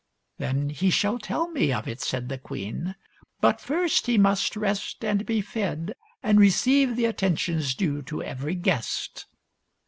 "Then he shall tell me of, it," said the queen. " But first he must rest and be fed and receive the attentions due to every guest."